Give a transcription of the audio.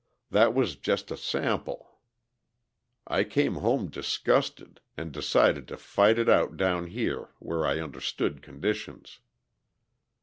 That was just a sample. I came home disgusted and decided to fight it out down here where I understood conditions."